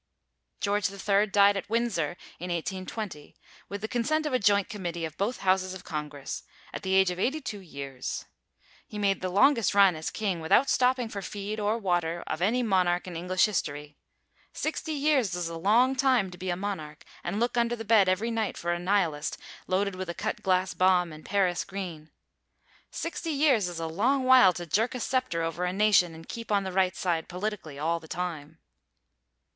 George III died at Windsor in 1820, with the consent of a joint committee of both houses of congress, at the age of 82 years. He made the longest run as king, without stopping for feed or water, of any monarch in English history. Sixty years is a long time to be a monarch and look under the bed every night for a Nihilist loaded with a cut glass bomb and Paris green. Sixty years is a long while to jerk a sceptre over a nation and keep on the right side, politically, all the time.